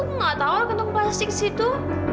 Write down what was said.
aku nggak tahu lah gendong puasa sih ke situ